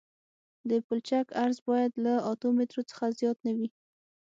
د پلچک عرض باید له اتو مترو څخه زیات نه وي